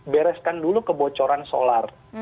bereskan dulu kebocoran solar